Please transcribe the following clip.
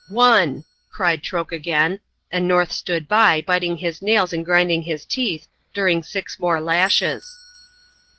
"Wonn!" cried Troke again; and North stood by, biting his nails and grinding his teeth, during six more lashes.